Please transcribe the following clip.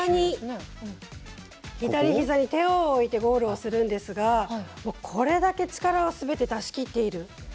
左ひざに手を置いてゴールをするんですがこれだけ力をすべて出しきっている。